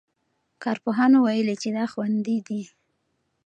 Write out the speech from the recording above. کارپوهانو ویلي چې دا خوندي دی.